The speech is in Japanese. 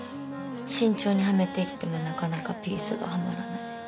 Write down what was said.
慎重にはめていってもなかなかピースがはまらない。